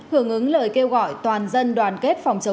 hưởng ứng lời kêu gọi toàn dân đoàn chống dịch